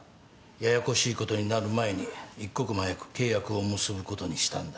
ややこしいことになる前に一刻も早く契約を結ぶことにしたんだ。